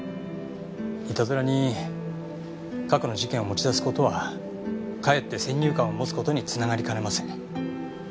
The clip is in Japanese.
いたずらに過去の事件を持ち出す事はかえって先入観を持つ事につながりかねません。